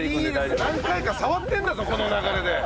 何回か触ってるんだぞこの流れで。